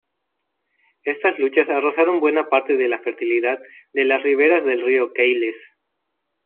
Estas luchas arrasaron buena parte de la fertilidad de las riberas del río Queiles.